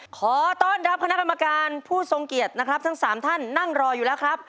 ขอต้อนรับคณะกรรมการผู้ทรงเกียรตินะครับทั้ง๓ท่านนั่งรออยู่แล้วครับ